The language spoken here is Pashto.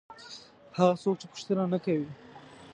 هغه څوک چې پوښتنه نه کوي.